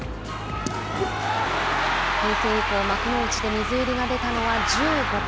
平成以降幕内で水入りが出たのは１５回。